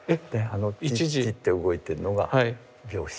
チッチッて動いてるのが秒針。